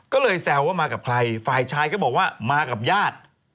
ก็เลยแซวว่ามากับใครฝ่ายชายก็บอกว่ามากับญาติ